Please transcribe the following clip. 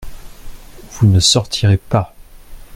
Vous ne sortirez pas !